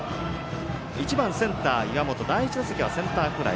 １番センター、岩本第１打席はセンターフライ。